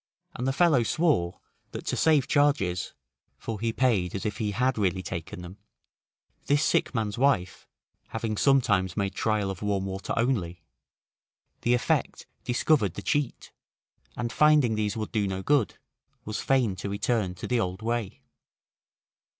And the fellow swore, that to save charges (for he paid as if he had really taken them) this sick man's wife, having sometimes made trial of warm water only, the effect discovered the cheat, and finding these would do no good, was fain to return to the old way.